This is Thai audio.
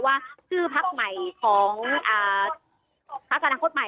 ว่าชื่อภักดิ์ใหม่ของภักดิ์อนาคตใหม่